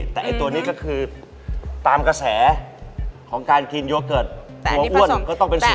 แต่ตัวนี้ก็คือตามกระแสของการกินโยเกิร์ตตัวอ้วนก็ต้องเป็นสูตร